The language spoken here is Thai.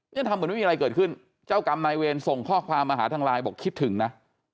นี่ทำเหมือนไม่มีอะไรเกิดขึ้นเจ้ากรรมนายเวรส่งข้อความมาหาทางไลน์บอกคิดถึงนะ